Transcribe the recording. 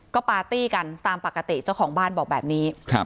ก็ปาร์ตี้กันตามปกติเจ้าของบ้านบอกแบบนี้